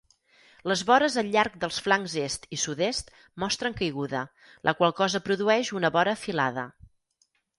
Les vores al llarg dels flancs est i sud-est mostren caiguda, la qual cosa produeix una vora afilada.